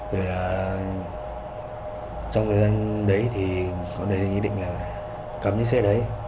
vì vậy trong thời gian đấy thì có nơi ý định là cầm xe đấy